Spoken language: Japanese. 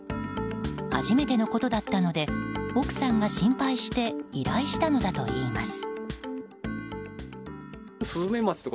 初めてのことだったので奥さんが心配して依頼したのだといいます。